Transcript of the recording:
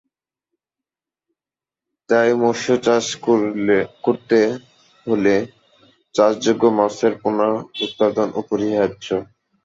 তাই মৎস্য চাষ করতে হলে চাষযোগ্য মাছের পোনা উৎপাদন অপরিহার্য।